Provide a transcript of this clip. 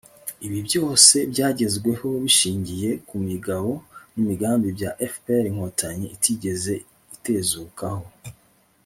ibi byose byagezweho bishingiye ku migabo n'imigambi bya fpr-inkotanyi itigeze itezukaho